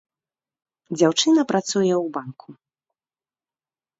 Дзяўчына працуе у банку.